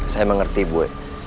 saya mengerti buwe